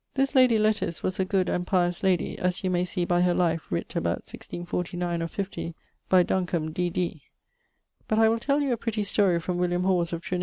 This lady Letice was a good and pious lady, as you may see by her life writt about 1649, or 50, by ... Duncomb, D.D. But I will tell you a pretty story from William Hawes, of Trin.